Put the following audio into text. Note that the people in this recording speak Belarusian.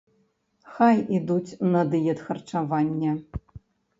Хай ідуць на дыетхарчаванне.